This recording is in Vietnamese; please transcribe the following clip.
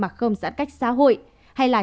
mà không giãn cách xã hội hay là